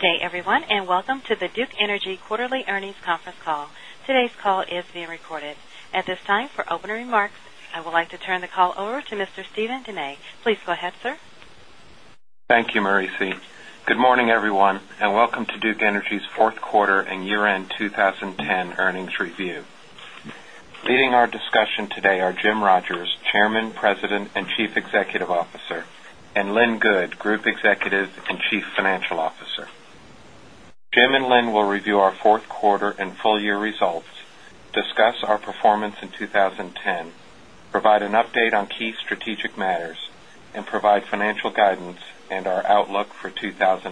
Good day, everyone, and welcome to the Duke Energy Quarterly Earnings Conference Call. Today's call is being recorded. At this time, for opening I would like to turn the call over to Mr. Stephen Denay. Please go ahead, sir. Thank you, Marisi. Good morning, everyone, and welcome to Duke Energy's 4th quarter year end 20 10 earnings review. Leading our discussion today are Jim Rogers, Chairman, President and Chief Executive Officer and Lynn Goode, Group Executive and Chief Financial Officer. Jim and Lynn will review our Q4 and full year results, discuss our performance in 2010, provide an update on key strategic matters and provide financial guidance and our outlook for 10 ks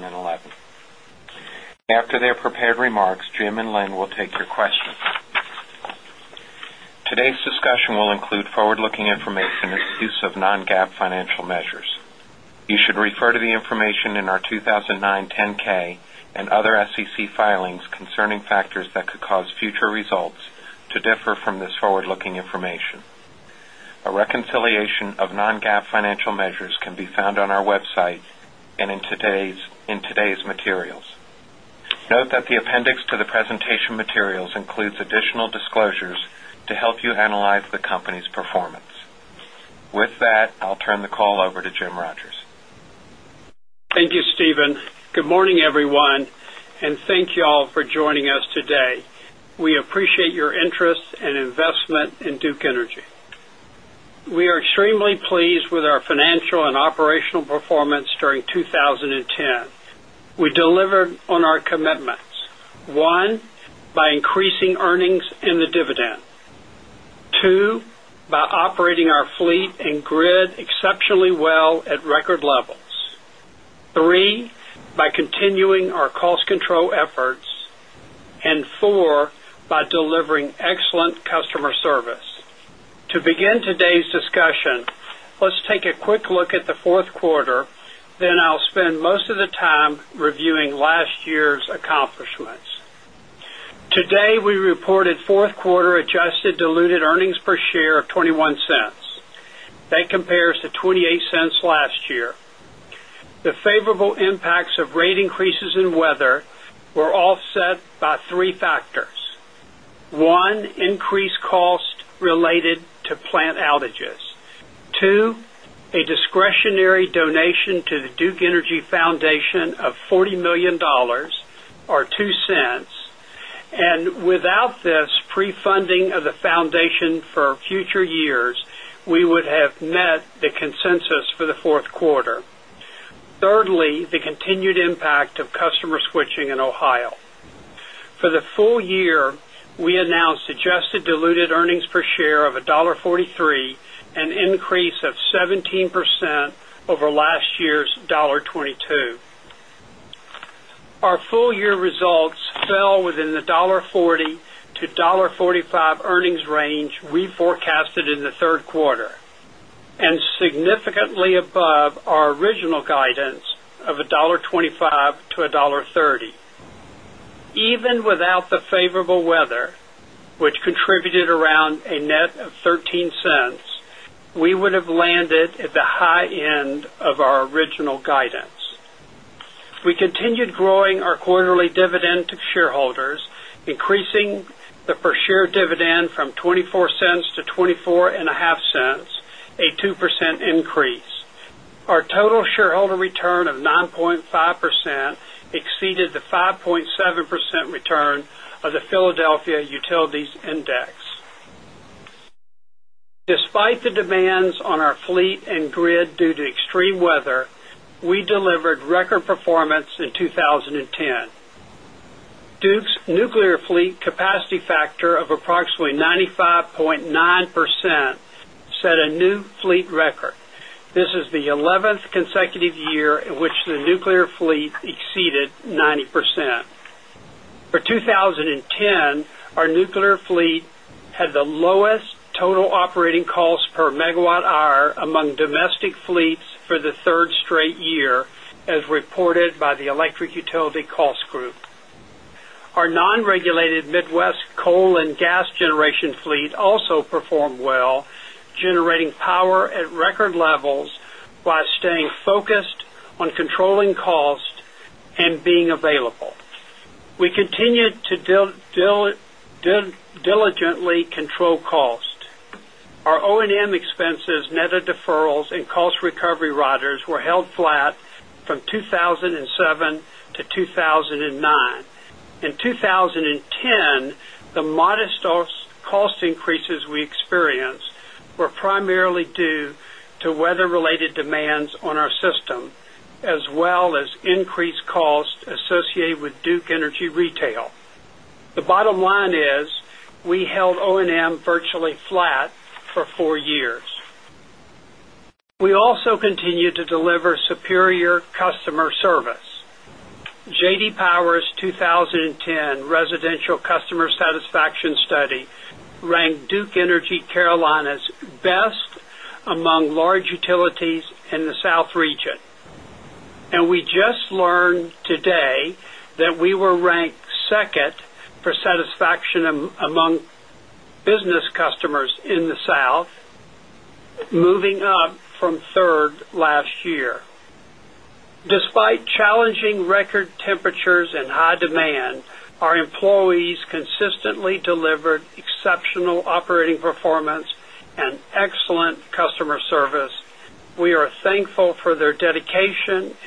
and other SEC filings concerning factors that could cause future results to differ from this forward looking information. A reconciliation of non GAAP financial measures can be found on our website and in today's materials. Note that the appendix to the presentation materials additional disclosures to help you analyze the company's performance. With that, I'll turn the call over to Jim Rogers. Thank you, Stephen. Good morning, everyone, and thank you all for joining us today. We appreciate your interest and investment in Duke Energy. We are extremely pleased with our financial and operational performance during 20 10. We delivered on our commitments: 1, by increasing earnings and the dividend 2, by operating our fleet and grid exceptionally well at record levels 3, by continuing our cost control efforts and 4, by delivering excellent customer service. To begin today's discussion, let's take a quick look at the Q4, then I'll spend most of the time reviewing last year's accomplishments. Today, we reported 4th quarter adjusted diluted earnings per share of $0.21 That compares to $0.28 last year. The favorable impacts of rate increases in weather were offset by 3 factors. 1, increased cost related to plant outages 2, a discretionary donation to the Duke Energy Foundation of $1,000,000 or $0.02 and without this pre funding of the foundation for future years, we would have met the consensus for the Q4. Thirdly, the continued impact of customer switching in Ohio. For the full year, we announced adjusted diluted earnings per share of $1.43 an increase of 17 percent over last year's $1.22 Our full year results fell within the $1.40 to $1.45 earnings range we forecasted in the 3rd quarter and significantly above our original guidance of 1 $1.25 to 1 $0.30 Even without the favorable weather, which contributed around a net of $0.13 we would have landed at the high end of our original guidance. We continued growing our quarterly dividend to shareholders, increasing the per share dividend from $0.24 to $0.245 a 2% increase. Our total shareholder return of 9.5% exceeded the 5.7% return of the Philadelphia Utilities Index. Despite the demands on our fleet and grid due to extreme weather, we delivered record performance in 20 cost per megawatt hour among domestic fleets for the 3rd straight year as reported by the electric utility cost group. Our non regulated Midwest coal and gas generation fleet also performed well generating power at record levels while staying focused on controlling cost and being available. We continue to diligently control cost. Our O and M expenses, net of deferrals and cost recovery riders were held flat from 2,007 to 2,009. In 2010, the modest cost increases we experienced were primarily due to weather related demands on our system as well as increased cost associated with Duke Energy Retail. The bottom line is we held O and M virtually flat 4 years. We also continue to deliver superior customer service. J. D. Power's 2010 residential customer satisfaction study ranked Duke Energy Carolina's best among large utilities in the among business customers in the South, moving up from 3rd last year. Despite challenging record temperatures and high demand, our employees consistently delivered exceptional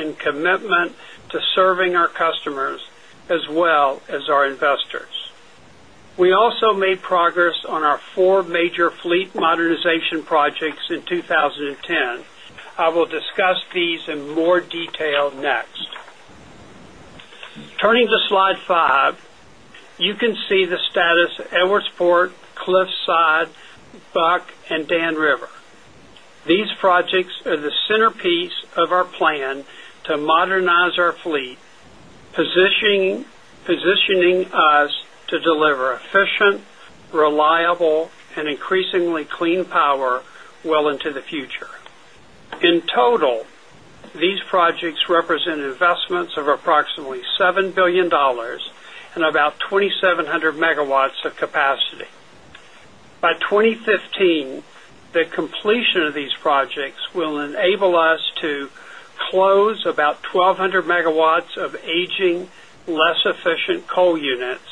commitment to serving our customers as well as our investors. We also made progress on our 4 major fleet modernization projects in 2010. I will discuss these in more detail next. Turning to Slide 5, you can see the status of Edwardsport, Cliffside, Buck and Dan River. These projects are the centerpiece of our plan to modernize our fleet, positioning us to us to deliver efficient, reliable and increasingly clean power well into the future. In total, these projects represent investments of approximately $7,000,000,000 and about 2,700 megawatts of capacity. By 2015, the completion of these projects will enable us to close about 1200 megawatts of aging less efficient coal units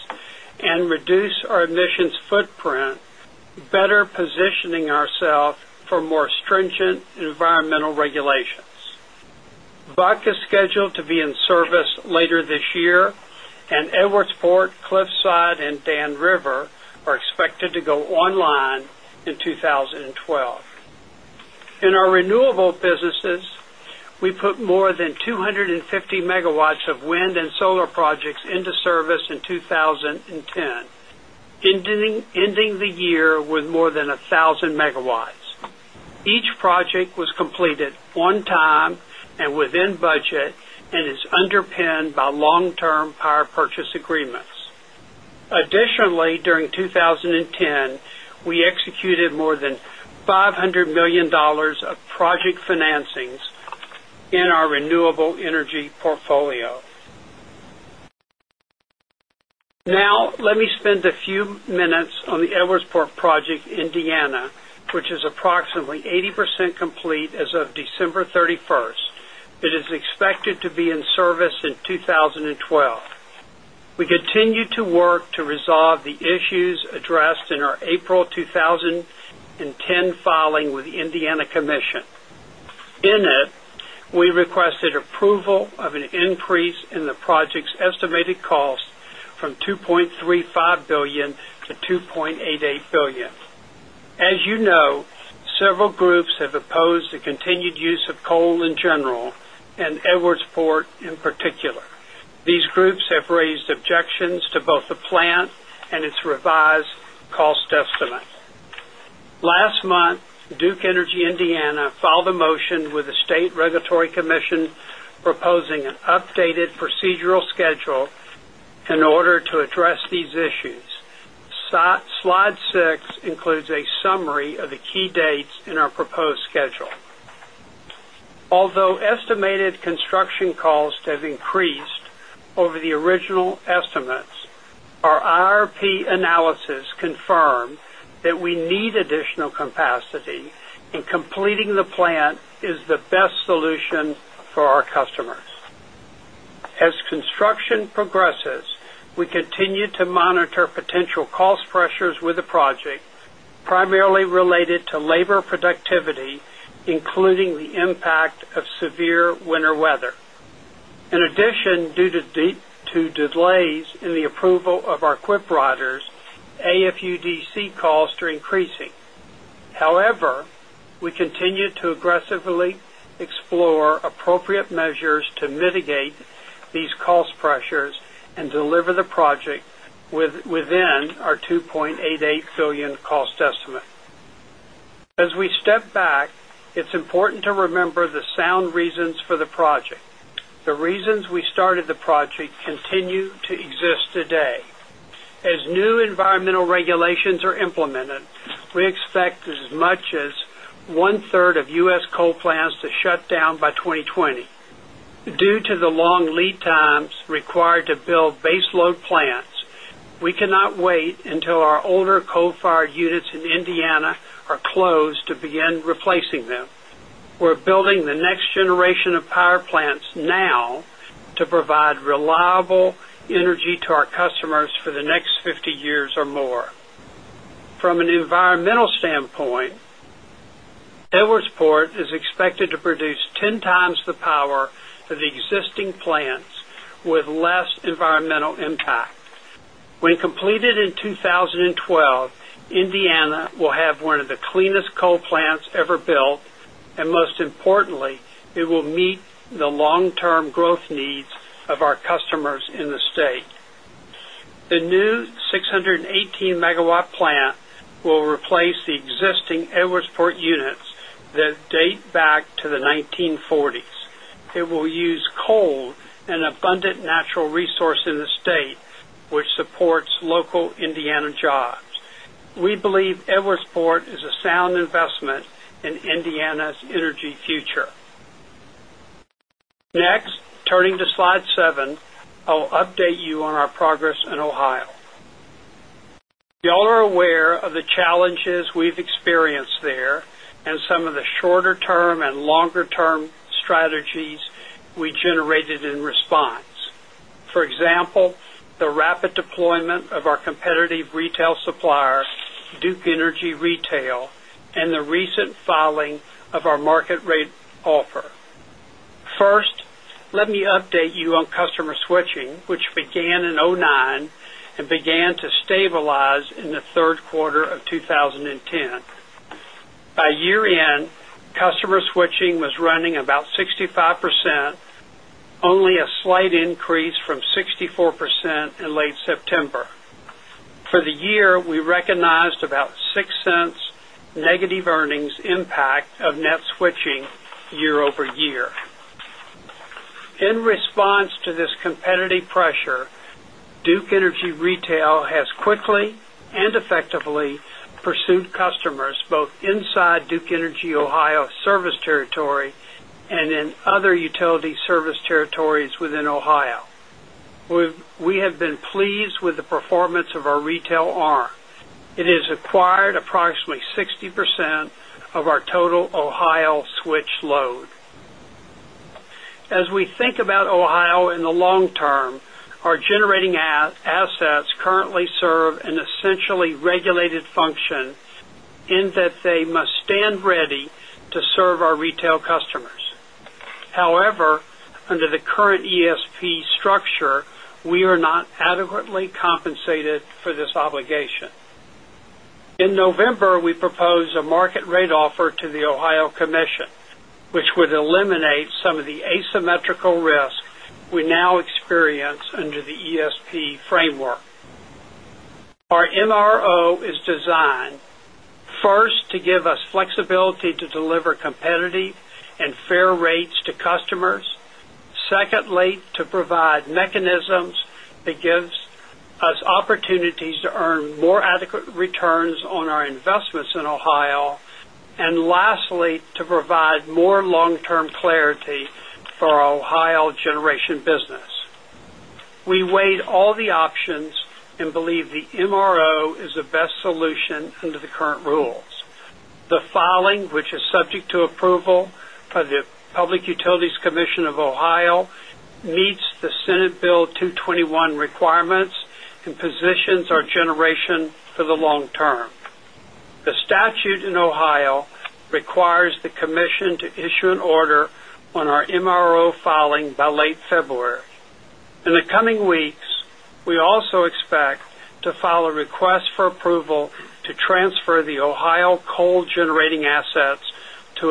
and reduce our emissions footprint, better positioning ourselves for more stringent environmental regulations. Buck is scheduled to be in service later this year and Edwardsport, Cliffside and Dan River are expected to go online in 20 projects into service in 2010, ending the year with more than 1,000 megawatts. Each project was completed onetime and within budget and is underpinned by long term power purchase agreements. Additionally, during 2010, we executed more than $500,000,000 of project financings in our renewable energy portfolio. Now let me spend a few minutes on Edwardsport project in Indiana, which is approximately 80% complete as of December 31. It is expected to be in service in 20 12. We continue to work to resolve the issues addressed in our April with the Indiana Commission. In it, we requested approval of an increase in the project's estimated cost from the to both the plant and its revised cost estimate. Last month, Duke Energy Slide 6 includes a summary of the key dates in our proposed schedule. Although estimated construction cost have increased over the original estimates, our IRP analysis confirm that we need additional capacity and completing the plant is the best solution for our customers. Progresses, we continue to monitor potential cost pressures with the project, primarily related to labor productivity, aggressively explore appropriate measures to mitigate these cost pressures and deliver the project within our $2,880,000,000 cost estimate. As we step back, it's important to remember the sound reasons for the project. The reasons we started the project continue to exist today. As environmental regulations are implemented, we expect as much as 1 third of U. S. Coal plants to shut down by 2020. Due to the long lead times required to build baseload plants, we cannot wait until our older coal fired units in Indiana are closed to begin replacing them. We're building the next generation of power plants now to provide reliable energy to our customers for the next 50 years or more. From an environmental standpoint, Edwardsport is expected to produce 10x the power of the existing plants with less environmental impact. When completed in 2012, Indiana will have one of the cleanest coal plants ever built and most importantly, it will meet the long term growth needs of our customers in the state. The new 6 18 Megawatt plant will replace natural resource in the state, which supports local Indiana jobs. We believe Edwardsport is a sound investment in Indiana's energy future. Next, turning to Slide 7, I'll update you on our progress in Ohio. You all are aware of the challenges we've experienced there and some of the shorter term and longer term strategies we generated in response. For example, the rapid deployment of our competitive retail supplier, Duke Energy Retail and the recent filing of our market rate offer. First, let me update you on customer switching, which began in 'nine and began to stabilize in the Q3 of 2010. By year end, customer switching was running about 65%, only a slight increase from 64% in late September. For the year, we recognized about 0 point 0 $6 negative pressure, Duke Energy Retail has quickly and effectively pursued customers both inside Duke Energy Ohio service territory and in other utility service territories within Ohio. We have been pleased with the performance of our retail arm. It has acquired approximately 60% of our total Ohio switch load. As we think about Ohio in the long term, our generating assets currently serve an essentially regulated function in that they must stand ready to serve our retail customers. However, under the current ESP structure, we are not adequately compensated for this obligation. In November, we proposed a market rate offer to the Ohio Commission, which would eliminate some of the asymmetrical risk we experience under the ESP framework. Our MRO is designed, 1st, to give us flexibility to deliver competitive and fair rates to customers secondly, to provide provide more long term clarity for our Ohio generation business. We weighed all the options and believe the MRO is the best solution under the current rules. The filing which is subject to approval by the Public Utilities Commission of Ohio, meets the Senate Bill 2 21 requirements and positions our generation for the long term. The statute in Ohio requires the commission to issue an order on our MRO filing by late February. In the coming weeks, we also expect to file a request for approval to transfer the the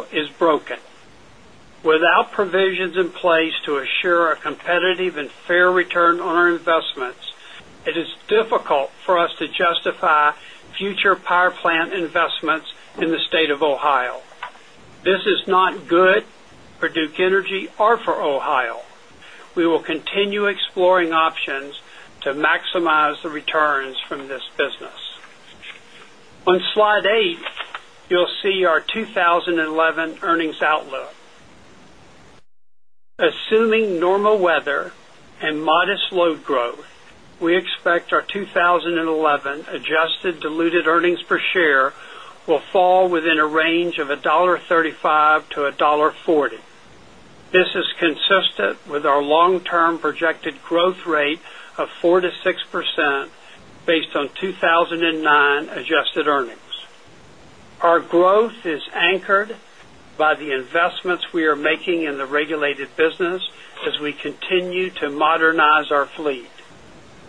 the is broken. Without provisions in place to assure a competitive and fair return on our investments, it is difficult for us to justify future power plant investments in the state of Ohio. This is not good for Duke Energy or for Ohio. We will continue exploring options to maximize the returns from this business. On Slide 8, you'll see our 2011 adjusted diluted earnings per share will fall within a range of $1.35 to 1 $0.40 This is consistent with our adjusted earnings. Our growth is anchored adjusted earnings. Our growth is anchored by the investments we are making in the regulated business as we continue to modernize our fleet.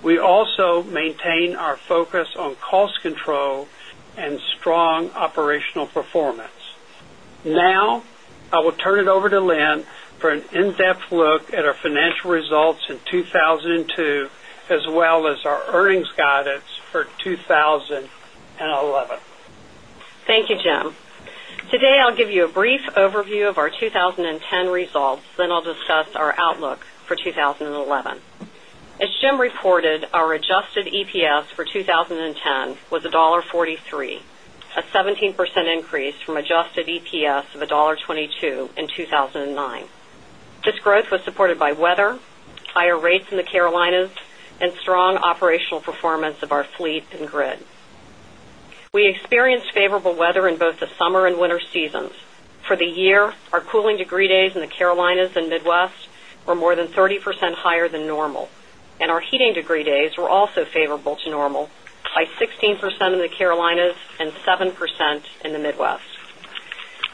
We also maintain our focus on cost control and strong operational performance. Now I will turn it over to Lynn for an in-depth look at our financial results in 2,000 and 2 as well as our earnings guidance for 2011. Thank you, Jim. Today, I'll give you a brief overview of our 20 10 results, then I'll discuss our outlook for 2011. As Jim reported, our adjusted EPS for $10 was $1.43 a 17% increase from adjusted EPS of $1.22 in 2,009. This growth was supported by weather, higher rates in the Carolinas and strong operational performance of our fleet and grid. We experienced favorable weather in both the summer and winter seasons. For the year, our cooling degree days in the Carolinas and Midwest were more than 30 percent higher than normal, and our heating degree days were also favorable to normal by 16% in the Carolinas and 7% in the Midwest.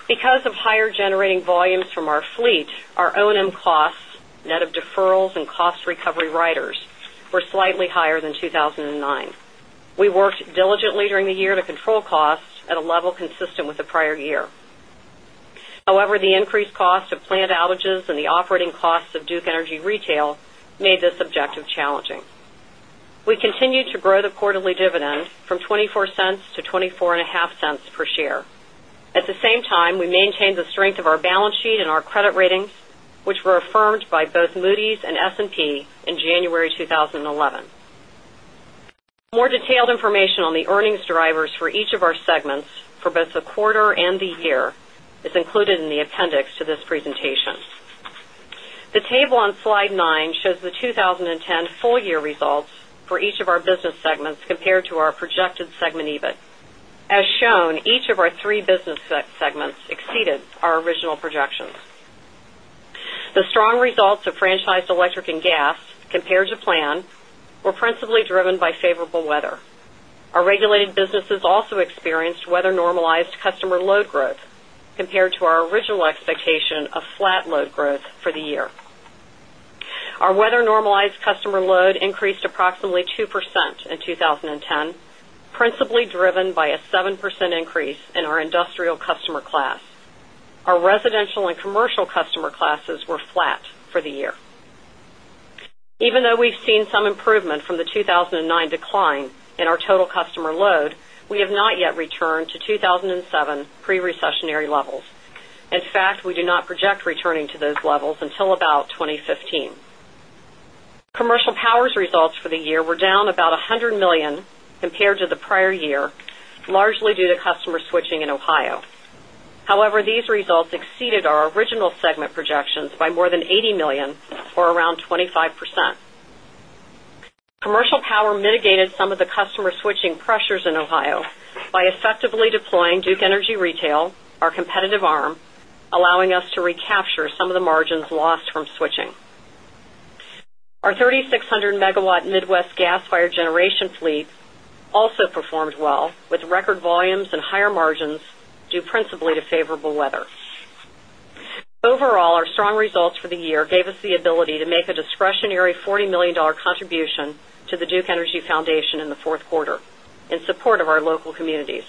Because of higher generating volumes from our fleet, our O and M costs, net of deferrals and cost recovery riders, were slightly higher than 2,000 and 9. We worked diligently during the year to control costs at a level consistent with the prior year. However, the increased cost of plant outages and the operating costs of Duke Energy Retail made this objective challenging. We continue to grow the quarterly dividend from 0.24 dollars to $0.245 per share. At the same time, we maintained the strength of our balance sheet and our credit ratings, which were affirmed by both Moody's and S and P in January 2011. More detailed information on the earnings drivers for each of our segments for both the quarter and the year is included in the appendix to this presentation. The table on Slide 9 shows the 2010 full year results for each of our business segments compared to our projected segment EBIT. As shown, each of our 3 business segments exceeded our original projections. The strong results of franchised electric and gas compared to plan were principally driven by favorable weather. Our regulated businesses also experienced weather normalized customer load growth compared to our original expectation of flat load growth for the year. Our weather normalized customer load increased approximately 2% in 20 from for the year. Even though we've seen some improvement from the 2,009 decline in our total customer load, we have not yet returned to 2,000 and 7 pre recessionary levels. In fact, we do not project returning to those levels until about 2015. Commercial Power's results for the year were down about $100,000,000 compared to the prior year, largely due to customer switching in Ohio. However, these results exceeded our original segment projections by more than $80,000,000 or around 25%. Commercial Power mitigated some of the customer switching pressures in Ohio by effectively deploying Duke Energy Retail, our competitive arm, allowing us to recapture some of the margins lost from switching. Our 3,600 Megawatt Midwest gas fired generation fleet also performed well with record volumes and higher margins due principally to favorable weather. Overall, our strong results for the year gave us the ability to make a discretionary $40,000,000 contribution to the Duke Energy Foundation in the Q4 in support of our local communities.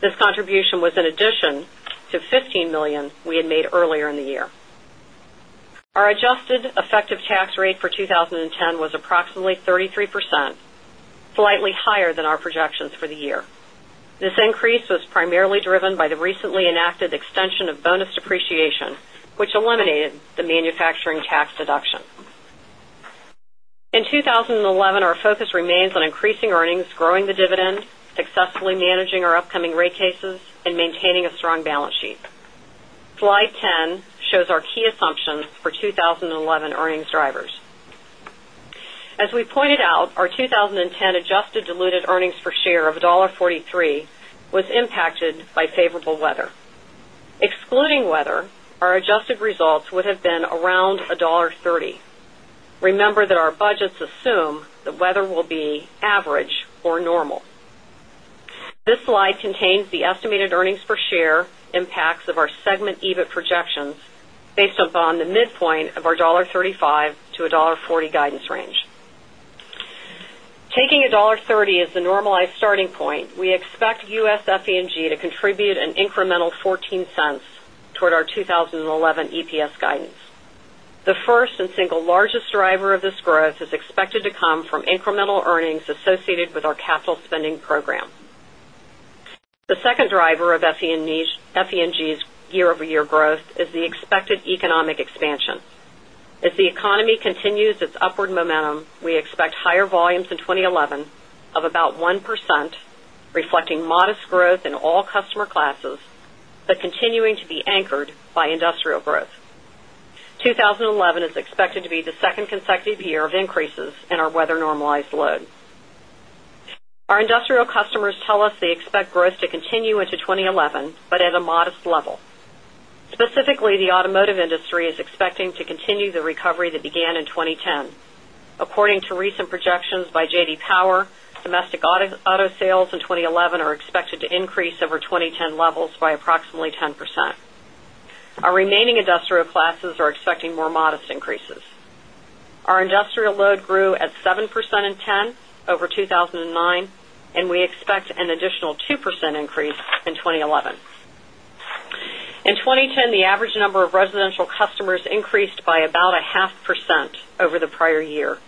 This contribution was in addition to $15,000,000 we had made earlier in the year. Our adjusted effective tax rate for 20 of bonus depreciation, which eliminated the manufacturing tax deduction. In 2011, our focus remains on increasing earnings, growing the dividend, successfully managing our upcoming rate cases and maintaining a strong balance sheet. Slide 10 shows our key assumptions for impacted by favorable weather. Excluding weather, our adjusted results would have been around 1 point $3 $4.0 guidance range. Taking a $1.30 as $1.30 as the normalized starting point, we expect U. S. F. E. And G to contribute an incremental $0.14 toward our spending program. The second driver of FE and G's year over year growth is the expected economic expansion. As As of increases in our weather normalized load. Our industrial customers tell us they expect growth to continue into 2011, but at a modest level. Specifically, the automotive industry is expecting to continue the recovery that began in 2010. According to recent projections by JD Power, domestic auto sales in 2011 are expected to increase over 2010 levels by approximately 10%. Our remaining industrial classes are expecting more modest increases. Our industrial load grew at 7% in 2010 over 2,009, and we expect an additional 2% increase in 2011. In 2010, the average number of residential customers increased by about a 5% over the prior year.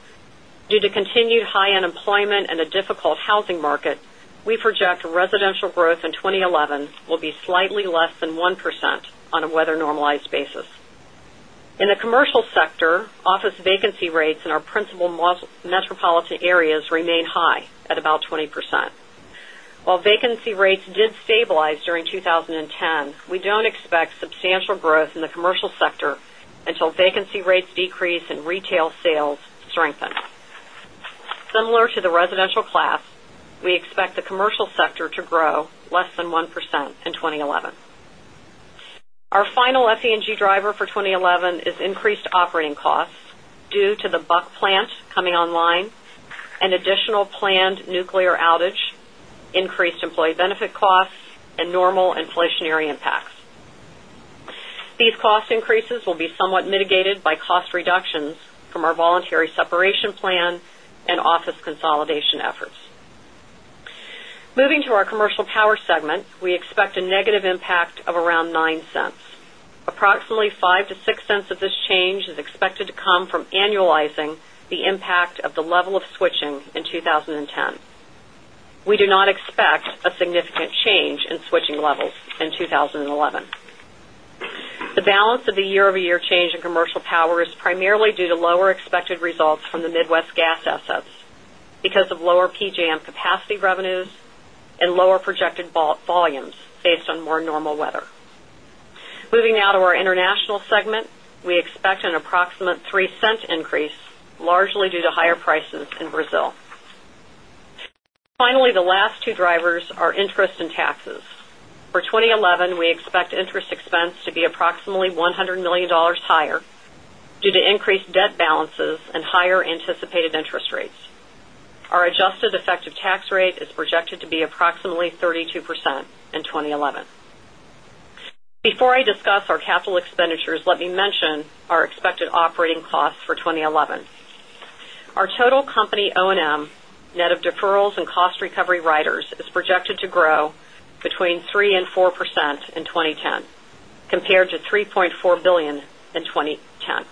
Due to continued high unemployment and a difficult housing market, we project residential growth in 2011 will be slightly less than 1% on a weather normalized basis. In the commercial sector, office vacancy rates in our principal metropolitan areas remain high at about 20%. While vacancy rates did stabilize during strengthen. Similar to the residential class, we expect the commercial sector to grow less than 1% in 2011. Our final FENG driver for 2011 is increased operating costs due to the Buck plant coming online and additional planned nuclear outage, increased employee benefit costs and normal inflationary impacts. These cost increases will be somewhat mitigated by cost reductions from our voluntary separation plan and office consolidation efforts. Moving to our commercial power segment, we expect a negative impact of around 0 point $9 Approximately 0 point 0 $5 to 0 point 0 $6 of this change is expected to come from annualizing the impact of the level of switching in 2010. We do not expect a significant change in switching levels in 2011. The balance of the year over year change in commercial power is primarily due to lower expected on more normal weather. Moving now to our International segment, we expect an approximate 0 point be approximately $100,000,000 higher due to increased debt balances and higher anticipated interest rates. Our adjusted effective tax rate is projected to be approximately 32% in 2011. Before I discuss our capital expenditures, let me mention our expected operating costs for 20 11. Our total company O and M, net of deferrals and cost recovery riders, is projected to grow between 3% and 4% in 2010 compared to 3,400,000,000 10.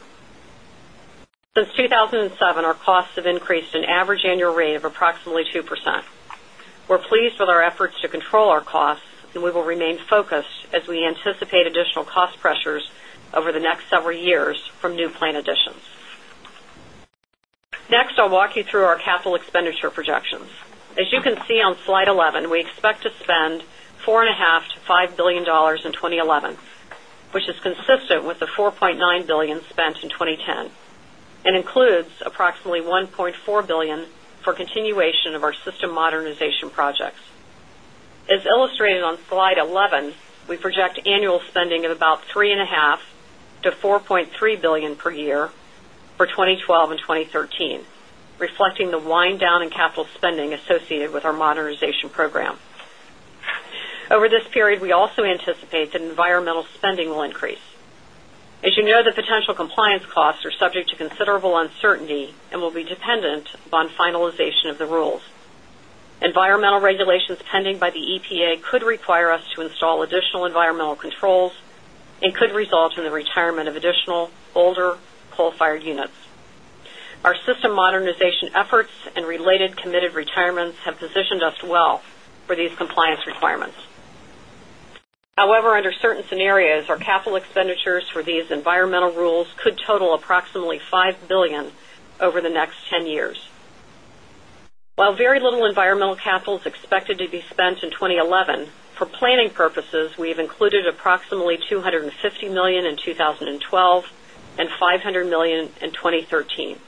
Since 2,007, our costs have increased an average annual rate of approximately 2%. We're pleased with our efforts to control our costs and we will remain focused as we anticipate additional cost pressures over the next several years from new plant additions. Next, I'll walk you through our capital expenditure projections. As you can see on Slide 11, we expect to spend $4,500,000,000 to $5,000,000,000 in 20.11, which is consistent with the $4,900,000,000 spent in 2010 and includes approximately $1,400,000,000 4.3 $1,000,000,000 per year for 20 122013, reflecting the wind down in capital spending associated with our modernization program. Over this period, we also anticipate that environmental spending will increase. As you know, the potential pending by the EPA could require us to install additional environmental controls and could result in the retirement of additional older coal fired units. Our system modernization efforts and related committed retirements have positioned us well for these compliance requirements. However, under certain scenarios, our capital expenditures for these environmental rules could total approximately $5,000,000,000 over the next 10 years. While very little environmental capital is expected to be spent in 2011, for planning purposes, we have included approximately $250,000,000 in $12,500,000,000 in 2013.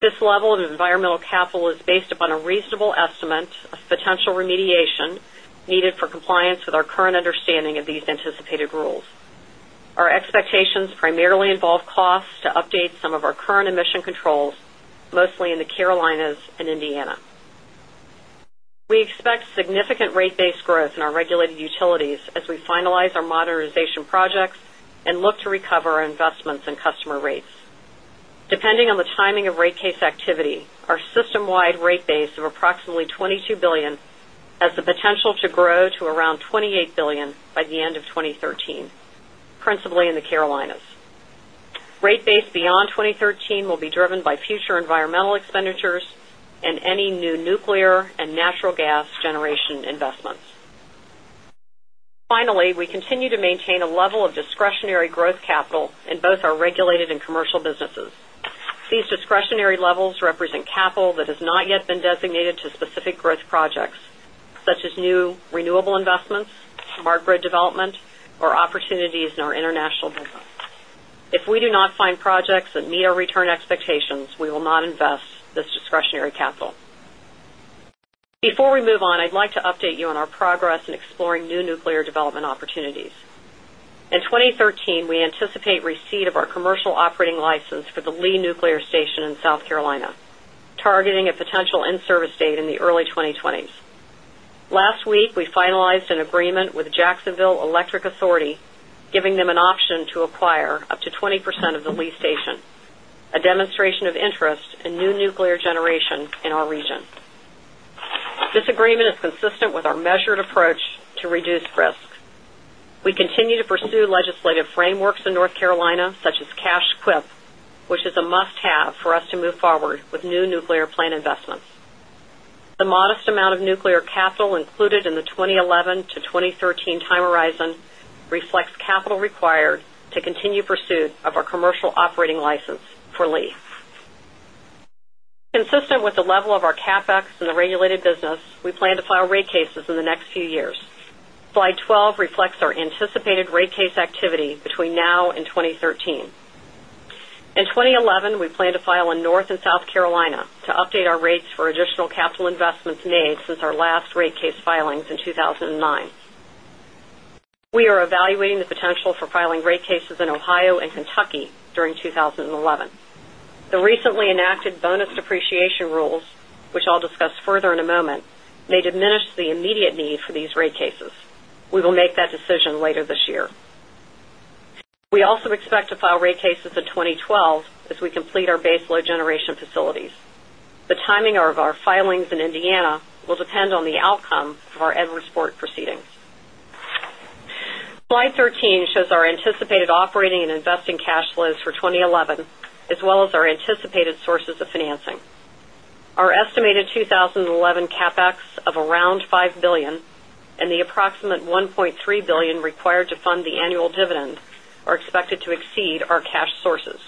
This level of environmental capital is based upon a reasonable estimate of potential remediation needed for compliance with our current understanding of these anticipated rules. Our expectations primarily involve costs to update some of our current emission controls, mostly in the Carolinas and Indiana. We expect significant rate based growth in our regulated utilities as we finalize our modernization projects and look to recover our investments in customer rates. Rates. Depending on the timing of rate case activity, our system wide rate base of approximately $22,000,000,000 has the potential to grow to around $28,000,000,000 by the end of 20 13, principally in the Carolinas. Rate base beyond 2013 will be driven by future environmental expenditures and any new nuclear and natural gas generation investments. Finally, we continue to maintain a level of discretionary growth capital in both new renewable investments, smart grid development or opportunities in our international business. If we do not find return expectations, we will not invest this discretionary capital. Before we move on, I'd like to update you on our progress in exploring new nuclear development opportunities. In 2013, we anticipate receipt of our commercial operating license for the Lee Nuclear Station in South Carolina, targeting a potential in service date in the early 2020s. Last week, we finalized an agreement with Jacksonville Electric Authority, giving them an option to acquire up to 20% of the lease station, a demonstration of interest in new nuclear generation in our region. This agreement is consistent with our measured approach to reduce risk. We continue to pursue legislative frameworks in North Carolina such as cash quip, which is a must have for us to move forward with new nuclear plant investments. The modest amount of nuclear capital included in the Slide 12 reflects our anticipated rate case activity between now and 2013. In 2011, we plan to file in North and South Carolina to update our rates for additional capital investments made since our last rate case filings in 2,009. We are evaluating the potential for filing rate cases in Ohio and Kentucky during 11. The recently enacted bonus depreciation rules, which I'll discuss further in a moment, may diminish the immediate need for these rate cases. We will make that decision later this year. We also expect to file rate cases in 2012 as we complete our base load generation facilities. The timing of our filings in Indiana will depend on the outcome of our Edvard Sports proceedings. Slide 13 shows our anticipated operating and investing cash flows for 2011 as well as our anticipated sources of financing. Our estimated 20 11 CapEx of around $5,000,000,000 and the approximate 1,300,000,000 dollars required to fund the annual dividend are expected to exceed our cash sources.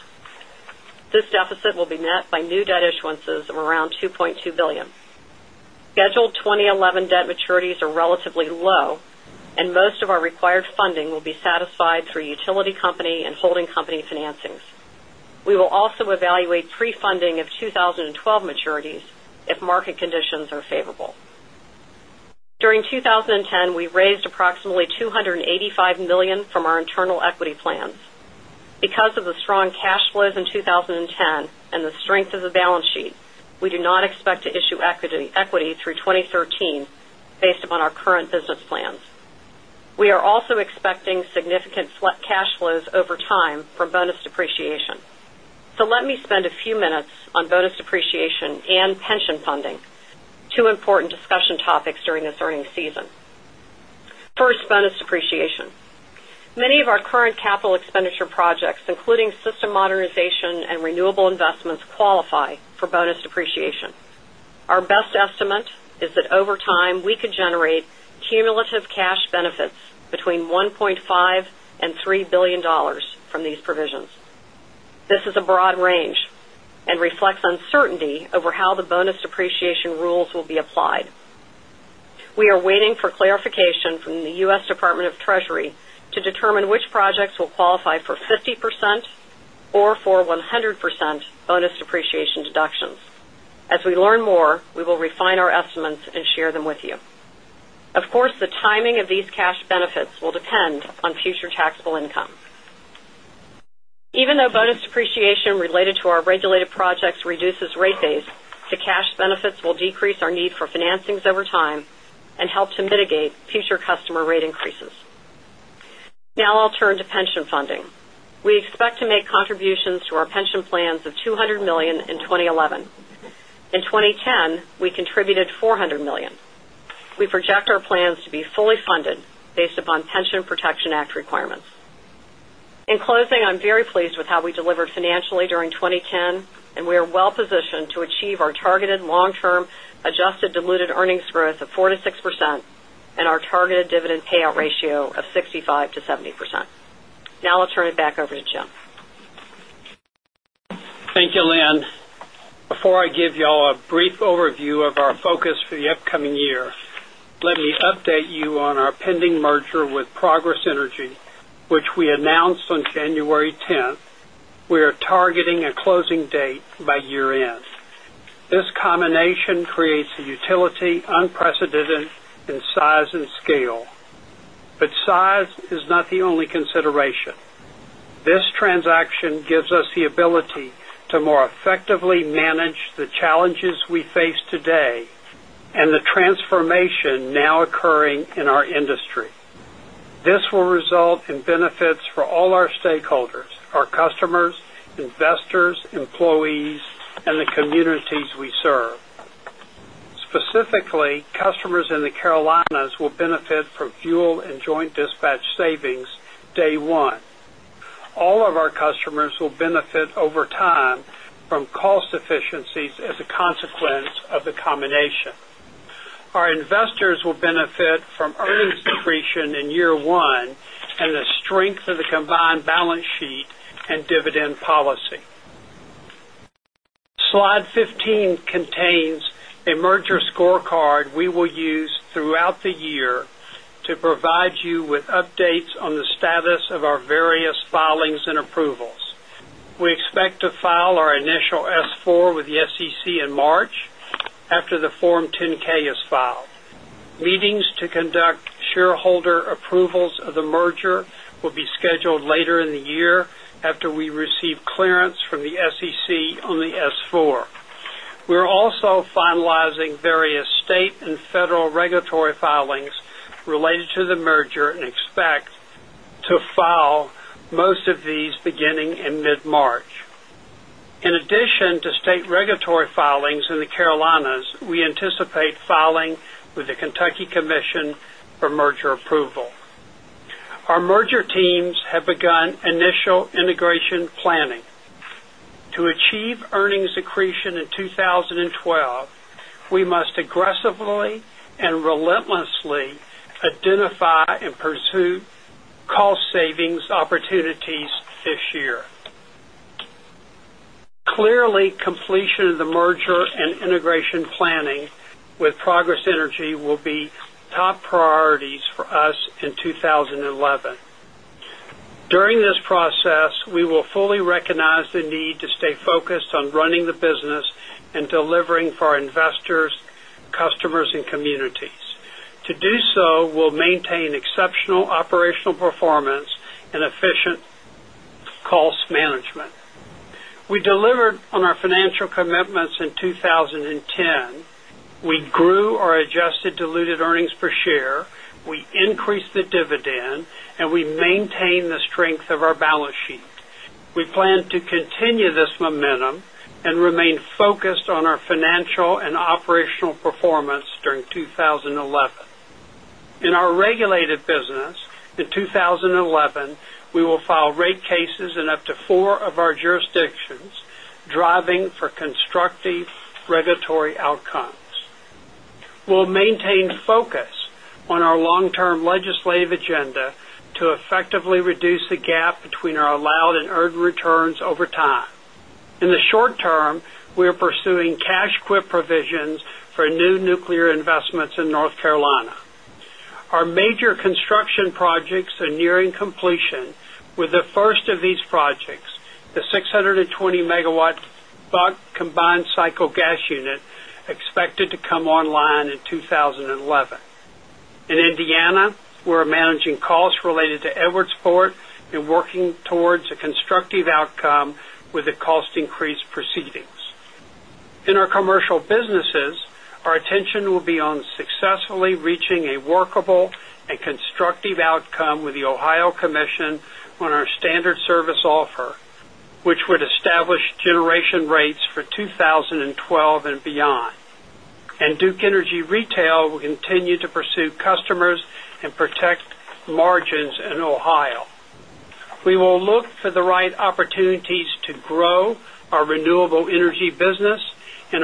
This deficit will be net by new debt issuances of around 2.2 $1,000,000,000 Scheduled 20 11 debt maturities are relatively low and most of our required funding will be satisfied through utility company and holding company financings. We will also evaluate pre funding of 2012 maturities if market conditions are favorable. During 2010, we raised approximately $285,000,000 from our internal equity plans. Because of the strong cash flows in 2010 and the strength of the balance sheet, we do not expect to issue equity through 2013 topics during this earnings season. 1st, bonus depreciation. Many of our current capital expenditure projects, including system modernization and renewable investments, qualify for bonus depreciation. Our best estimate is that over time, we could generate cumulative cash benefits between $1,500,000,000 $3,000,000,000 from these provisions. This is a broad range and reflects uncertainty over how the bonus depreciation rules will be applied. We are waiting for clarification from the U. S. Department of Treasury to determine which projects will qualify for 50% or for 100% bonus depreciation deductions. As we learn more, we will refine our estimates and share them with you. Of course, the timing of these cash benefits will depend on future taxable income. Even though bonus depreciation related to our regulated projects reduces rate base, the cash benefits will decrease our need for financings over time and help to mitigate future customer rate increases. Now I'll turn to pension funding. We expect to make contributions to our pension plans of $200,000,000 in 20.11. In 2010, we contributed $400,000,000 We pension protection act requirements. In closing, I'm very pleased with how we delivered financially during 2010, and we are positioned to achieve our targeted long term adjusted diluted earnings growth of 4% to 6% and our targeted dividend payout ratio of 65% to 70%. Now I'll turn it back over to Jim. Thank you, Lynn. Before I give you all a brief overview of our focus for the upcoming year, let me update you on our pending merger with Progress Energy, which we announced on utility unprecedented in size and scale, but size is not the only consideration. This transaction gives us the ability to more effectively manage the challenges we face today and the transformation now occurring in our industry. This will result in benefits for all our stakeholders, our customers, investors, employees and the communities we serve. Specifically, customers in the Carolinas will benefit from fuel and joint dispatch savings day 1. All of our customers will benefit over time from cost efficiencies as a consequence of the combination. Our investors will benefit from earnings accretion in year 1 and the strength of the combined balance sheet and dividend policy. Slide 15 contains a merger scorecard we will use throughout the year to provide you with updates on the status of our various filings and approvals. We expect to file our initial S-four with the SEC in March after the Form 10 ks is filed. Meetings to conduct shareholder approvals of the merger will be scheduled later in the year after we receive clearance from the SEC on the S-four. We are also finalizing various state and federal regulatory filings related to the merger and expect to file most of these beginning in mid March. In addition to state regulatory filings in the Carolinas, we anticipate filing with the Kentucky Commission for merger approval. Our merger teams have begun initial integration planning. To achieve earnings accretion in 2012, we must aggressively and relentlessly identify and pursue cost savings opportunities this year. Clearly, completion of the merger and integration planning with Progress Energy will be top priorities for us in the business and delivering for our investors, customers and communities. To do so, we'll maintain exceptional operational performance and efficient cost management. We delivered on our financial commitments in 20 continue this momentum and remain focused on our financial and operational performance during 2011. In our regulated business, in 2011, we will file rate cases in up to 4 of our jurisdictions driving for constructive regulatory outcomes. We'll maintain focus on our long term legislative agenda to effectively reduce the gap between our allowed and earned returns over time. In the short term, we are pursuing cash quit provisions for new nuclear investments in North Carolina. Our major construction projects are nearing completion with the first of these projects, the 6 20 Megawatt Bulk Combined Cycle Gas Unit, expect to come online in 2011. In Indiana, we're managing costs related to Edwards Board and working towards a a workable and constructive outcome with the Ohio Commission on our standard service offer, which would establish generation rates for 2012 and beyond. And Duke Energy Retail will continue to pursue customers and protect margins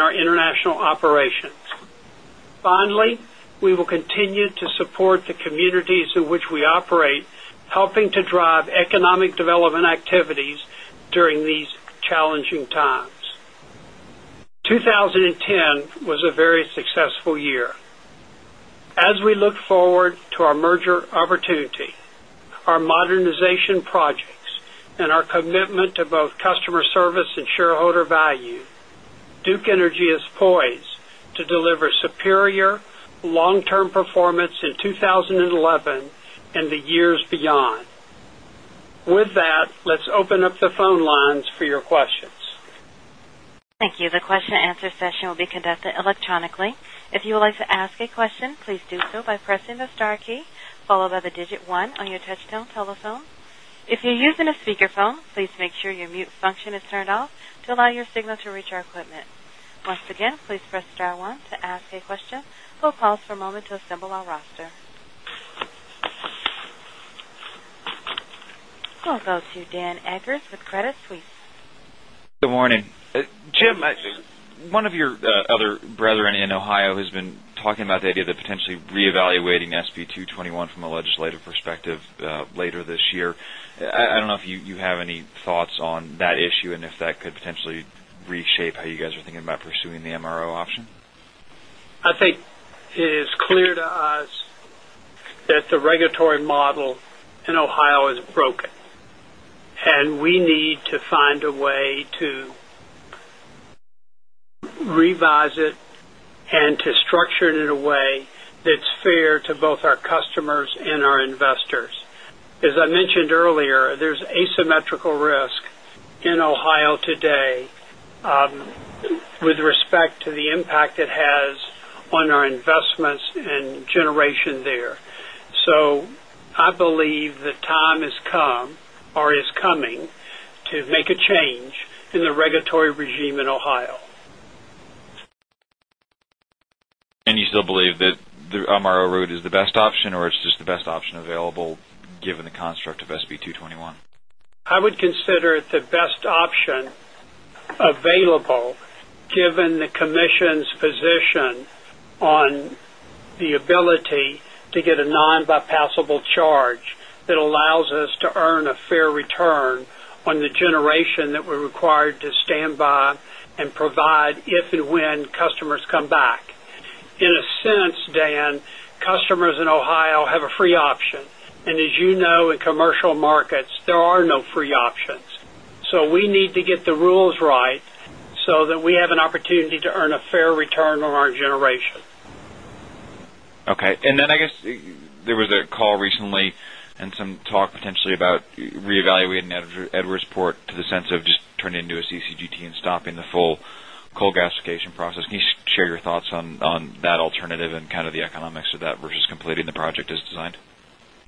our international operations. Finally, we will continue to support the communities in which we operate, helping to drive economic development activities during these challenging times. 20 10 was a very successful year. As we look forward to our merger opportunity, our modernization projects and our commitment to both customer service and shareholder value, Duke Energy is poised to deliver superior long term performance in 2011 and the years beyond. With that, let's We'll go to Dan Akers with Credit Suisse. Jim, one of your other brethren in Ohio has been talking about the idea that potentially reevaluating SB221 from a legislative perspective later this year. I don't know if you have any thoughts on that issue and if that could potentially reshape how you guys are thinking about pursuing the MRO option? I think it is clear to us that the regulatory model in Ohio is broken. It in a way that's fair to both our customers and our investors. As I mentioned earlier, there's asymmetrical risk in Ohio today with respect to the impact it has on our investments and generation there. So I believe the time has come or is coming to make a change in the regulatory regime in Ohio. And you still believe that the Amaro route is the best option or it's just the best option available given the construct of SB221? I would consider it the best option available given the allows us to earn a fair return on the generation that we're required to stand by and provide if and when customers come back. In a sense, Dan, customers in Ohio have a free option. And as you know, in commercial markets, there are no free options. So we need to get the rules right so that we have an opportunity to earn a fair return on our generation. Okay. And then I guess there was a call recently and some talk potentially about reevaluating Edwards Port to the sense of just turning into a CCGT and stopping the full coal gasification process. Can you share your thoughts on that alternative and kind of the economics of that versus completing the project as designed?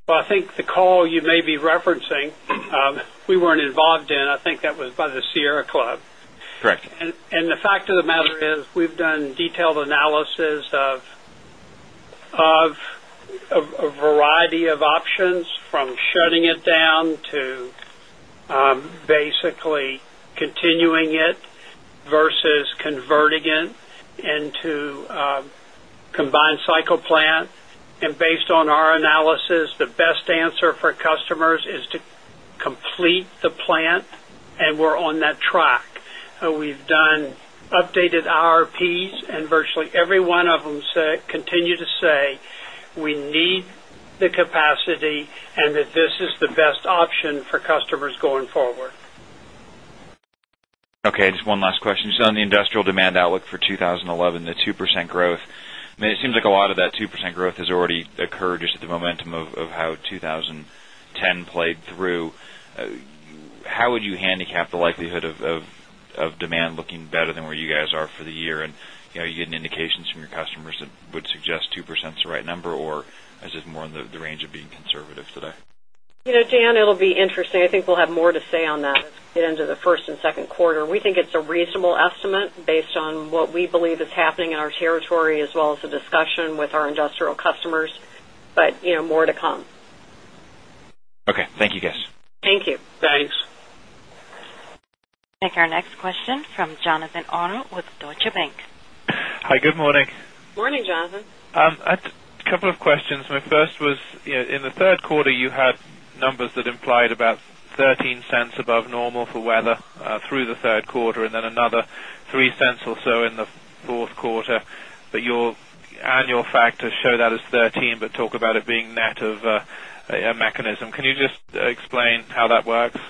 Well, I think the call you may be referencing, we weren't involved in, I think that was by the Sierra Club. Correct. And the fact of the matter is, we've done detailed analysis of a variety of options from shutting it down to on that track. We've done updated IRPs and virtually every one of them continue to say we need the capacity and that this is the best option for customers going forward. Okay. Just one last question. Just on the industrial demand outlook for 2011, the 2% growth, I mean, it seems like a lot of that 2% growth has already occurred just at the momentum of how 2010 played through. How would you handicap the likelihood of demand looking better than where you guys are for the year? And you get indications from your customers that would suggest 2% is the right number? Or is it more in the range of being conservative today? Dan, it will be interesting. I think we'll have more to say on that at the end of the first and second quarter. We think it's a reasonable estimate based on what we believe is happening in our territory as well as the discussion with our industrial customers, but more to come. Okay. Thank you, guys. Thank you. Thanks. We'll take our next question from Jonathan Arnold with Deutsche Bank. Hi, good morning. Good morning, Jonathan. A couple of questions. My first was in the Q3, you had numbers that implied about $0.13 above normal for weather through the Q3 and then another $0.03 or so in the Q4, but your annual factors show that as 13, but talk about it being net of a mechanism. Can you just explain how that works?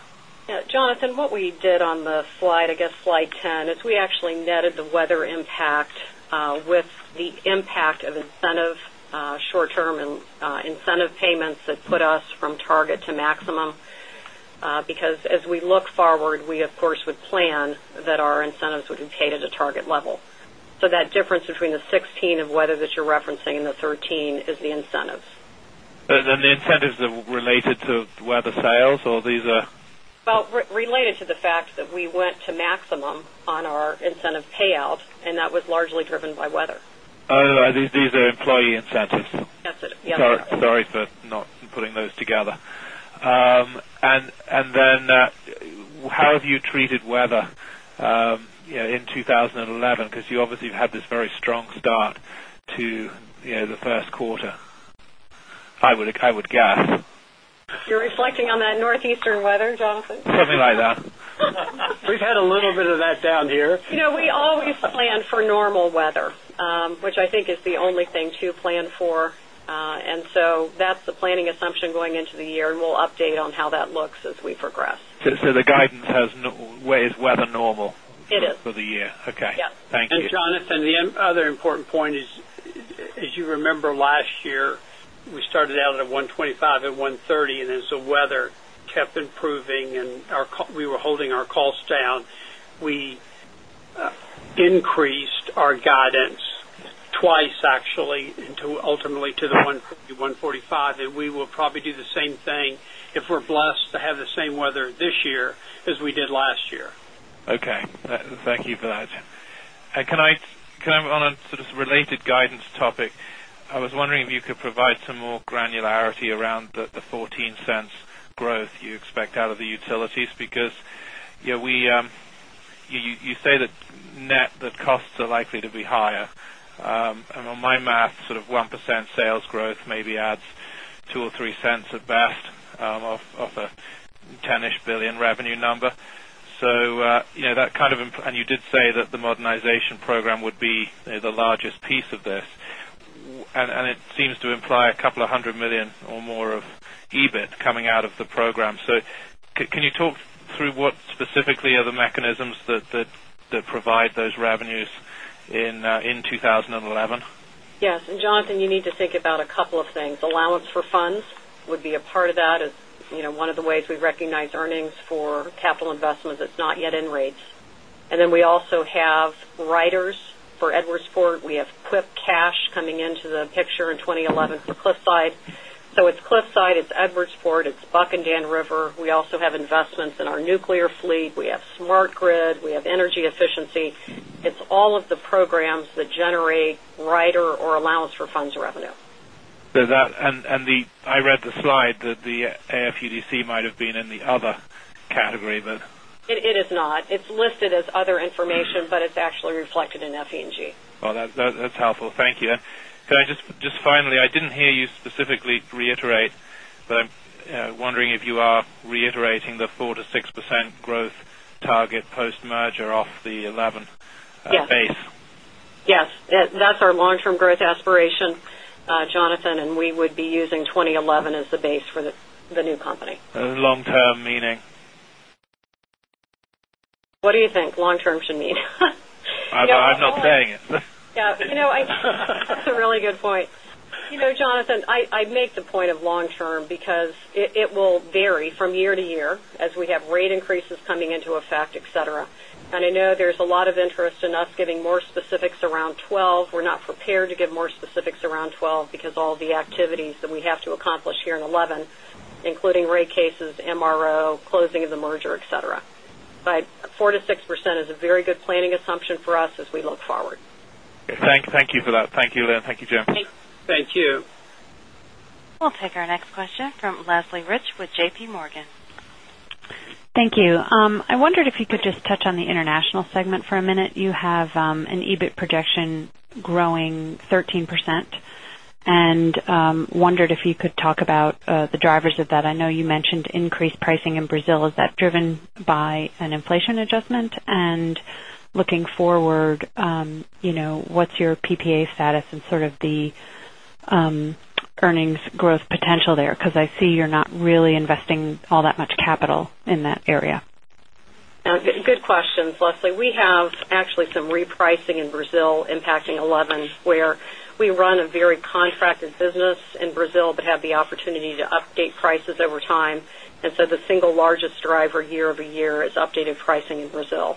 Jonathan, what we did on the slide, I guess, Slide 10, is we actually netted the weather impact with the impact of incentive short term incentive payments that put us from target to maximum. Because as we look forward, we, of course, would plan that our incentives would be paid at a target level. So that difference between the 16 of weather that you're referencing and the 13 is the incentives. And the incentives that were related to weather sales or these are? Related to the fact that we went to maximum on our incentive payout and that was largely driven by weather. These are employee incentives. Sorry for not putting those together. And then how have you treated weather in 2011 because you obviously have had this very strong start to the Q1, I would guess? You're reflecting on that Northeastern weather, Jonathan? Something like that. We've had a little bit of that down here. We always plan for normal weather, which I think is the only thing to plan for. And so that's the planning assumption going into the year, and we'll update on how that looks as we progress. So the guidance has no where is weather normal for the year? It is. Okay. Thank you. Yes. And Jonathan, the other important point is, as you remember last year, we started out at a $125,000,000 $130,000,000 and as the weather kept improving and we were holding our costs down, we increased our guidance twice actually until ultimately to the $1.40 $1.45 that we will probably do the same thing if we're blessed to have the same weather this year as we did last year. Okay. Thank you for that. Can I on a sort of related guidance topic, I was wondering if you could provide some more granularity around the $0.14 growth you expect out of the utilities because we you say that net that costs are likely to be higher? And on my math sort of 1% sales growth maybe adds $0.02 or $0.03 at best of a $0.10 ish billion revenue number. So that kind of and you did say that the modernization program would be the largest piece of this. And it seems to imply a couple of 100,000,000 or more of EBIT coming out of the program. So can you talk through what specifically are the mechanisms that provide those revenues in 2011? Yes. And Jonathan, you need to think about a couple of things. Allowance for funds would be a part of that as one of the ways we recognize earnings for capital investments that's not yet in rates. And then we also have riders for Edwardsport. We have Quip Cash coming into the picture in 2011 for Cliffside. So Cliffside, it's Edwardsport, it's Buck and Dan River. We also have investments in our nuclear fleet. We have smart grid. We have energy efficiency. It's all of the programs that generate rider or allowance for funds revenue. And the I read the slide that the AFUDC might have been in the other category, but It is not. It's listed as other information, but it's actually reflected in FENG. Well, that's helpful. Thank you. And can I just finally, I didn't hear you specifically reiterate, but I'm wondering if you are reiterating the 4% to 6% growth target post merger off the 11 base? Yes. That's our long term growth aspiration, Jonathan, and we would be using 2011 as the base for the new company. Long term meaning? What do you think long term should mean? I'm not saying it. Yes. It's a really good point. Jonathan, I make the point of long term because it will vary from year to year as we have rate increases coming into effect, etcetera. And I know there is a lot of interest in us giving more specifics around 12. We're not prepared to give more specifics around 12 because all the activities that we have to accomplish here in 2011, including rate cases, MRO, closing of the merger, etcetera. But 4% to 6% is a very good planning assumption for us as we look forward. Okay. Thank you for that. Thank you, Lynn. Thank you, Jim. Thank you. We'll take our next question from Leslie Reich with JPMorgan. Thank you. I wondered if you could just touch on the international segment for a minute. You have projection growing 13% and wondered if you could talk about the drivers of that. I know you mentioned increased pricing in Brazil. Is that driven by an inflation adjustment? And sort of the earnings growth potential there? Because the earnings growth potential there? Because I see you're not really investing all that much capital in that area. Good questions, Leslie. We have actually some repricing in Brazil impacting 11 where we run a very contracted business in Brazil but have the opportunity to update prices over time. And so the single largest driver year over year is updated pricing in Brazil.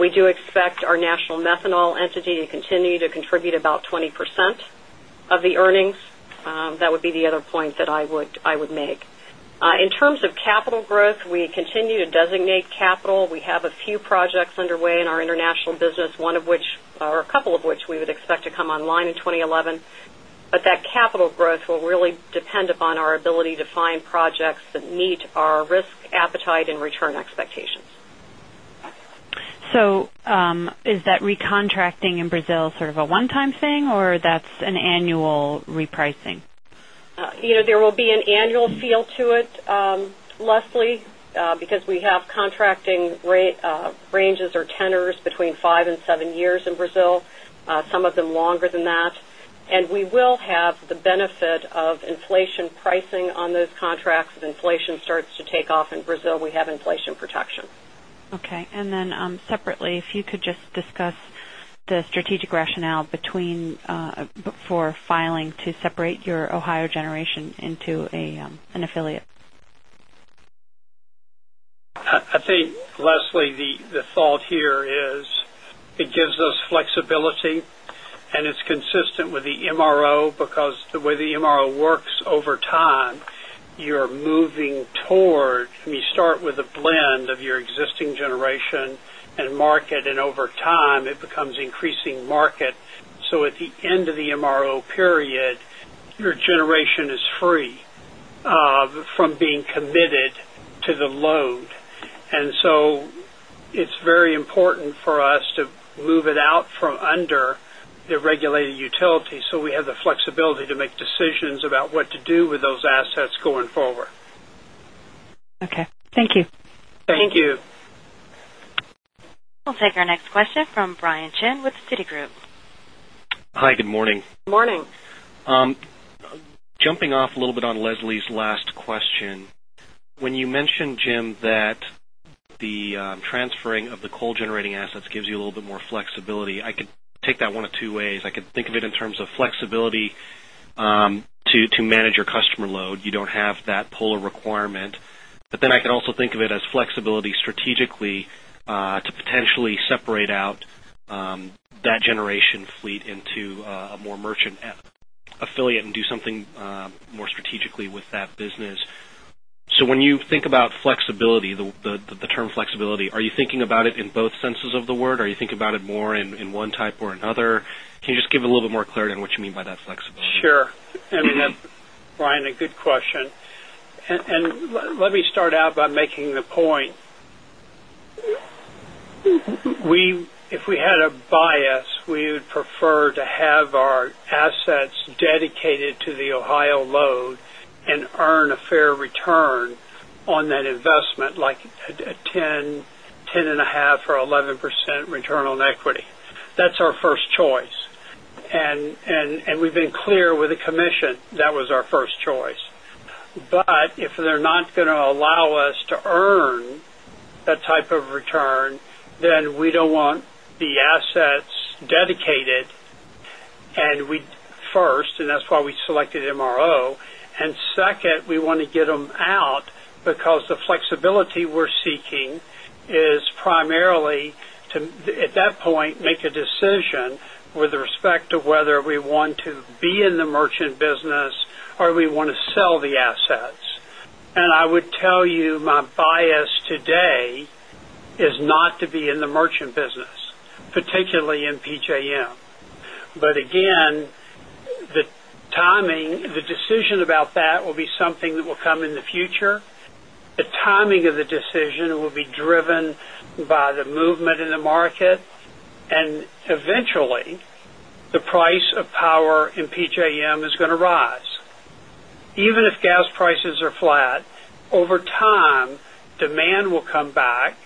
We do expect our national methanol entity to continue to contribute about 20% of the earnings. That would be the other point that I would make. In terms of capital growth, we continue to designate capital. We have a few projects underway in our international business, one of which or a couple of which we would expect to come online in 2011. But that capital growth will really depend upon our ability to find projects that meet our risk appetite and return expectations. So, is that recontracting in Brazil sort of a one time thing or that's an annual repricing? There will be an annual feel to it, Leslie, because we have pricing on those contracts. If inflation starts to take off in Brazil, we have inflation protection. Okay. And then separately, if you could just discuss the strategic rationale between for filing to separate your Ohio generation into an affiliate? I think, Leslie, the thought here is it gives us flexibility and it's consistent with the MRO because the way the MRO works over time, you're moving toward and you start with a blend of your existing generation and market and over time it becomes increasing market. So at the end of the MRO period, your generation is free from being committed to the load. And so it's very important for us to move it out from under the regulated utility, so we have the flexibility to make decisions about what to do with those assets going forward. Okay. Thank you. Thank you. We'll take our next question from Brian Chin with Citigroup. Hi, good morning. Good morning. Jumping off a little bit on Leslie's last question. When you mentioned Jim that the transferring of the coal generating assets gives you a little bit more flexibility, I could take that 1 of 2 ways. I could think of it in terms of flexibility to manage your customer load. You don't have that polar requirement. But then I can also think of it as flexibility strategically to potentially separate out that generation fleet into a more merchant affiliate and do something more strategically with that business. So when you think about flexibility, the term flexibility, are you thinking about it in both senses of the word? Are you thinking about it more in one type or another? Can you just give a little bit more clarity on what you mean by that flexibility? Sure. I mean that's Brian, a good question. And let me start out by making the point. We if we had a bias, we would prefer to have our assets dedicated to the Ohio load and earn a fair return on that investment like a 10%, 10.5% or 11% return on equity. That's our first choice. And we've been clear with the commission that was our first choice. But if they're not going to allow us to earn that type of return, then we don't want the assets dedicated and we 1st, and that's why we selected MRO. And second, we want to get them out because the flexibility we're seeking is primarily to, at that point, make a decision with respect to whether we want to be in the merchant business or we want to sell the assets. And I would tell you my bias today is not to be in the merchant business, particularly in PJM. But again, the timing the decision about that will be something that will come in the future. The price of power in PJM is going to rise. Even if gas prices are flat, over time, demand will come back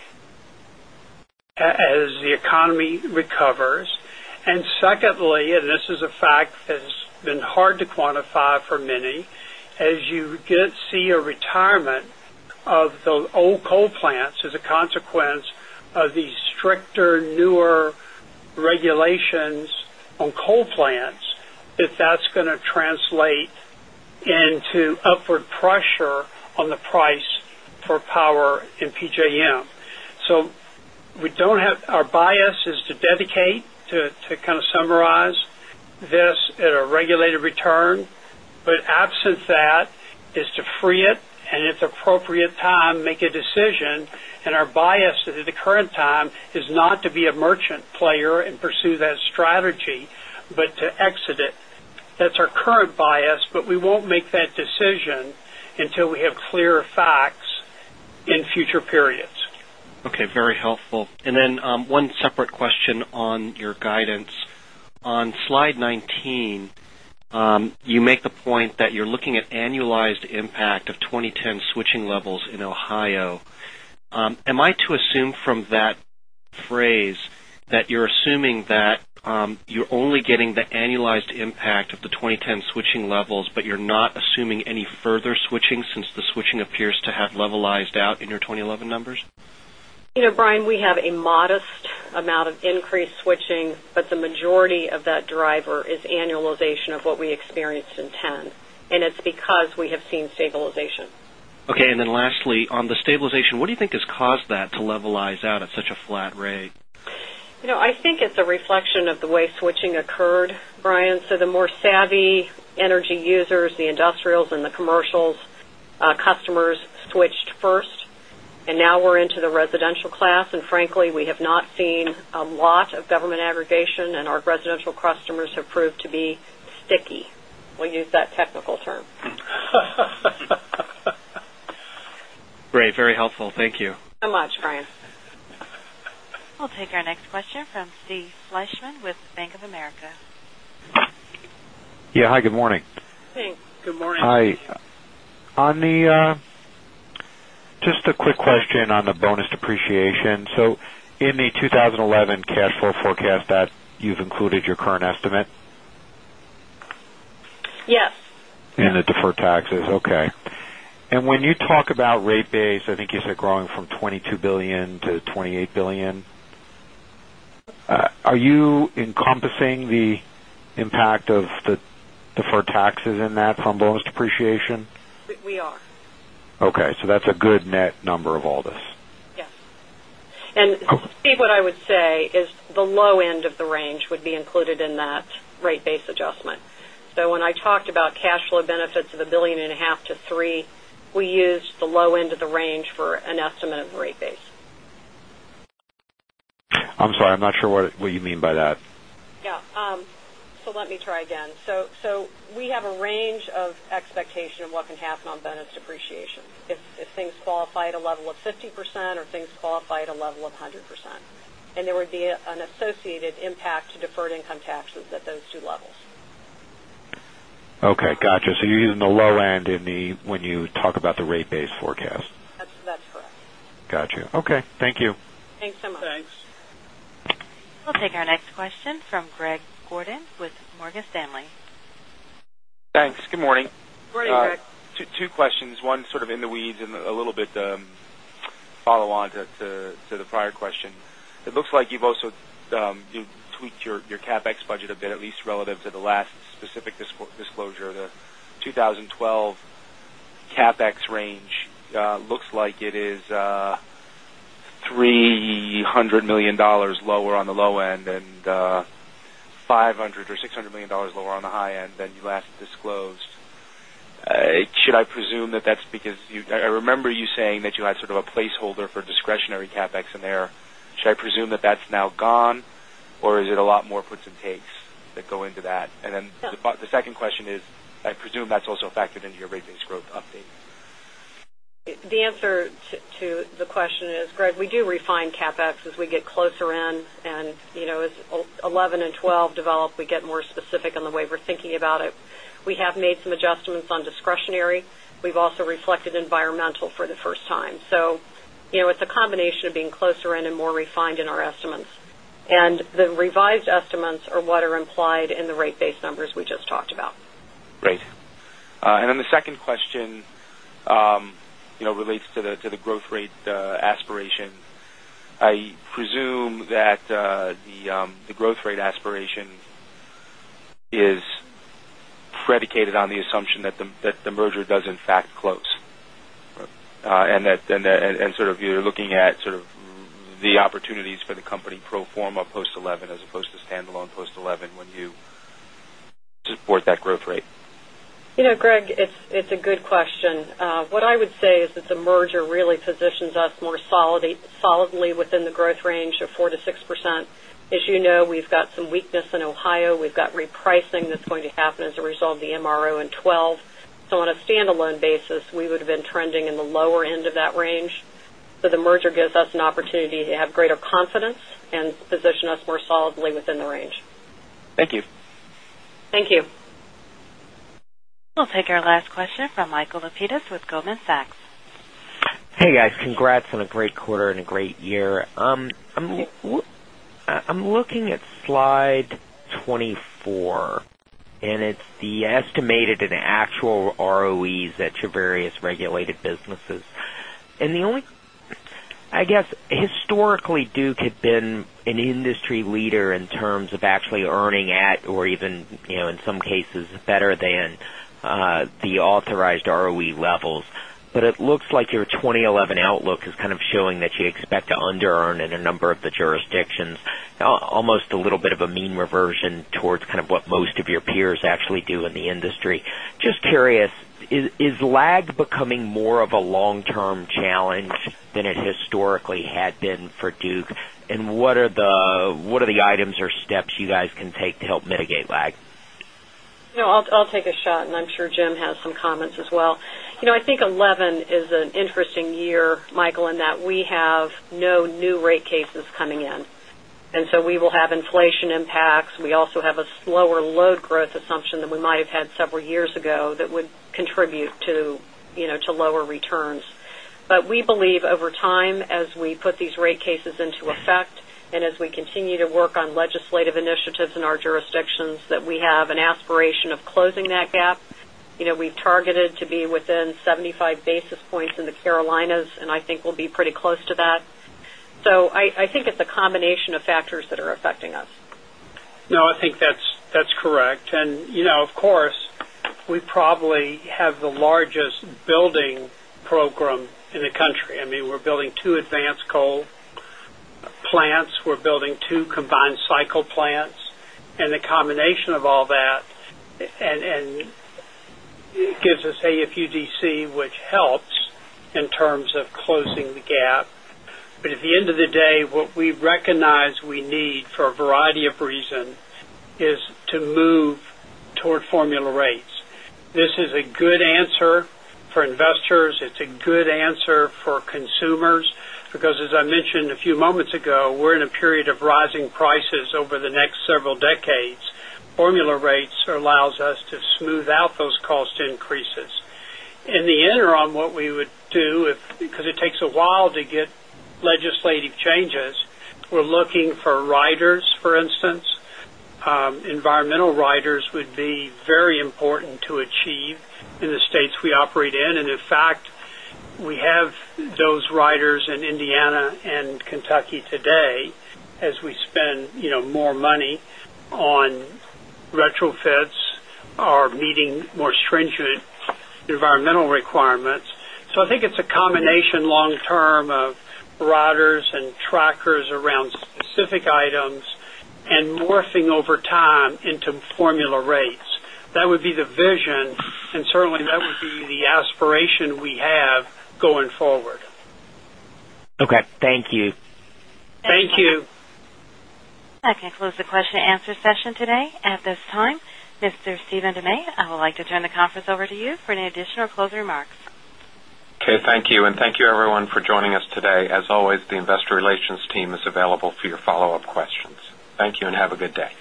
as the economy recovers. And secondly, and this is a fact that's been hard to quantify for many, as you get to see a retirement of the old coal plants as a consequence of the stricter newer regulations on coal plants, if that's going bias is to dedicate to kind of summarize this at a regulated return, but absent that is to free it and at appropriate time make a decision and our bias at the current time is not to be a merchant player and pursue that strategy, but to exit it. That's our current bias, but we won't make that decision until we have clear facts in future periods. Okay, very helpful. And then one separate question on your guidance. On Slide 19, you make the point that you're looking at annualized at that you're assuming that you're only getting the annualized impact of the 2010 switching levels, but you're not assuming any further switching since the switching appears to have levelized out in your 2011 numbers? Brian, we have a modest amount of increased switching, Okay. And then lastly, on the stabilization, what do you think has caused that to levelize out at such a flat rate? I think it's a reflection of the way switching occurred, Brian. So the more savvy energy users, the industrials and the commercials customers switched 1st. And now we're into the residential class. And frankly, we have not seen a lot of government aggregation, and our residential customers have proved to be sticky. We'll use that technical term. We'll take our next question from Steve Fleishman with Bank of America. Yes. Hi, good morning. Thanks. Good morning. Hi. Just a quick question on the bonus depreciation. So in the 20 11 cash flow forecast that you've included your current estimate? Yes. And the deferred taxes, okay. And when you talk about rate base, I think you've Are you encompassing the impact of dollars Are you encompassing the impact of the deferred taxes in that from bonus depreciation? We are. Okay. So that's a good net number of Aldis. Yes. And Steve, what I would say is the low end of the range would be included in that rate base adjustment. So when I talked about cash flow benefits of $1,500,000,000 to $3,000,000 we used the low end of the range for an estimate of the rate base. I'm sorry, I'm not sure what you mean by that. Yes. So let me try again. So we have a range of expectation of what can happen on bonus depreciation. If things qualify at a level of 50% or things qualify at a level of 100%. And there would be an associated impact to deferred income taxes at those two levels. Okay, got you. So you're using the low end in the when you talk about the rate base forecast? That's correct. Got you. Okay, thank you. Thanks so much. Thanks. We'll take our next question from Greg Gordon with Morgan Stanley. Thanks. Good Two questions, one sort of in the weeds and a little bit follow on to the prior question. It looks like you've also tweaked your CapEx budget a bit at least relative to the last specific disclosure, the 2012 CapEx range looks like it is $300,000,000 lower on the low end and $500,000,000 or $600,000,000 lower on the high end than you last disclosed. Should I presume that that's because I remember you saying that you had sort of a placeholder for discretionary CapEx in there. Should I presume that that's now gone? Or is it a lot more puts and takes that go into that? And then the second question is, I presume that's also factored into your rate base growth update. The answer to the question is, Greg, we do refine CapEx as we get closer in. And as 2011 and 2012 develop, we get more specific on the way we're thinking about it. We have made some adjustments on discretionary. We've also reflected environmental for the first time. So it's a combination of being closer in and more refined in our estimates. And the revised estimates are what are implied in the rate base numbers we just talked about. Great. And then the second question relates to the growth rate aspiration. I presume that the growth rate aspiration is predicated on the assumption that the merger does in fact close. And sort of you're looking at sort of the opportunities for the company pro form 11 as opposed to standalone post 11 when you support that growth rate? Greg, it's a good question. What I would say is that the merger really positions us more solidly within the growth range of 4% to 6%. As you know, we've got some weakness in Ohio. We've got repricing that's going to happen as a result of the MRO in 'twelve. So on a standalone basis, we would have been trending in the lower end of that range. So the merger gives us an opportunity to have greater confidence and position us more solidly within the range. We'll take our last question from Michael Lapides with Goldman Sachs. Congrats on a great quarter and a great year. I'm looking at Slide 24 and it's the estimated and actual ROEs at your various regulated businesses. And the only I guess historically Duke had been an industry leader in terms of actually earning at or even in some cases better than the authorized ROE levels. It looks like your 2011 outlook is kind of showing that you expect to under earn in a number of the jurisdictions, almost a little bit of a mean reversion towards kind of what most of your peers actually do in the industry. Just curious, is lag becoming more of a I think items or steps you guys can take to help mitigate lag? I'll take a shot and I'm sure Jim has some comments as well. I think 'eleven is an interesting year, Michael, in that we have no new rate cases coming in. And so we will have inflation impacts. We also have a slower load growth assumption that we might have had several years ago that would contribute to lower returns. But we believe over time, as we put these rate cases into effect and as we continue to work on legislative initiatives in our jurisdictions that we have an aspiration of closing that gap. We've targeted to be within 75 basis points in the Carolinas, and I think we'll be pretty close to that. So I think it's a combination of factors that are affecting us. No, I think that's correct. And of course, we probably have the largest building program in the country. I mean, we're building 2 advanced coal plants. We're building 2 in terms of closing the gap. But at the end of the day, what we recognize we need for a variety of reasons is to move toward formula rates. This is a good answer for investors. It's a good answer for consumers because as I mentioned a few moments ago, we're in a period of rising prices over the next several decades. Formula rates allows us to smooth out those cost increases. In the interim, what we would do if because it takes a while to get legislative changes. We're looking for riders for instance. Environmental riders would be very important to achieve in the states we operate in. And in fact, we have those riders in Indiana and Kentucky today meeting more stringent environmental requirements. So I think it's a combination long term of riders and trackers around specific items and morphing over time into formula rates. That would be the vision and certainly that would be the aspiration we have going forward. Okay. Thank you. Thank you. That concludes the question and answer session today. At this time, Mr. Stephen DeMay, I would like to turn the conference over to you for any additional or closing remarks. Okay. Thank you, and thank you everyone for joining us today. As always, the Investor Relations team is available for your follow-up questions. Thank you, and have a good day.